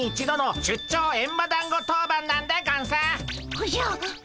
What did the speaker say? おじゃ！